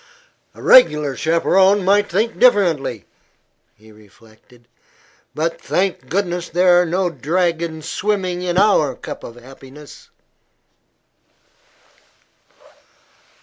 "A reg'lar chaperone might think differently," he reflected; "but thank goodness there are no dragons swimming in our cup of happiness."